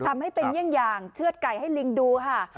ทำให้เป็นยั่งเชื่อดไก่ให้ลิงดูค่ะ